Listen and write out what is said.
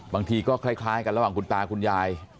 บางทีก็คล้ายกันระหว่างคุณตาคุณยาย